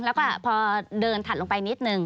แล้วก็พอเดินถัดลงไปนิดนึง